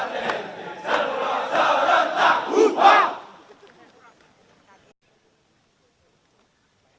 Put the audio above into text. selamat selamat selamat